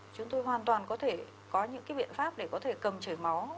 chúng tôi hoàn toàn có thể có những cái biện pháp để có thể cầm chảy máu